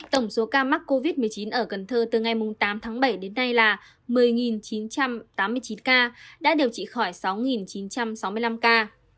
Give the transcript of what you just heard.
tổng số ca mắc covid một mươi chín ở cần thơ từ ngày tám tháng bảy đến nay là một mươi chín trăm tám mươi chín ca đã điều trị khỏi sáu chín trăm sáu mươi năm ca